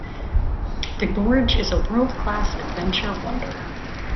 The gorge is a world-class adventure wonder.